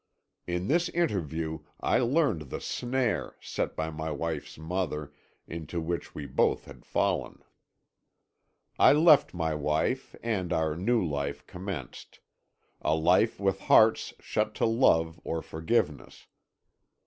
"In this interview I learnt the snare, set by my wife's mother, into which we both had fallen. "I left my wife, and our new life commenced a life with hearts shut to love or forgiveness.